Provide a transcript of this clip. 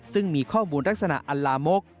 ซึ่งมีข้อมูลลักษณะอัลลามก